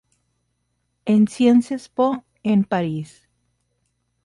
En "Sciences Po" en París.